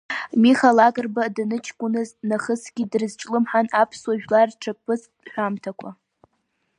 Миха Лакрба даныҷкәыназ нахысгьы дрызҿлымҳан аԥсуа жәлар рҿаԥыцтә ҳәамҭақәа.